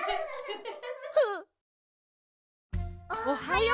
おはよう。